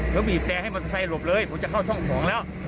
ผมบีบแต่ให้มันใส่หลบเลยผมจะเข้าช่องสองแล้ว